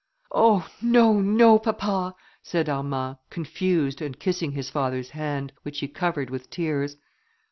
"Oh! no, no, papa!" said Armand, confused, and kissing his father's hand, which he covered with tears.